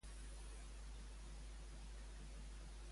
Va rebre la beatificació?